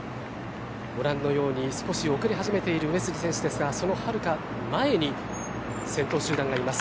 ご覧のように少し遅れ始めている上杉選手ですがそのはるか前に先頭集団がいます。